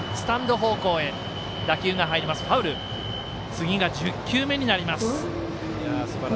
次が１０球目になります。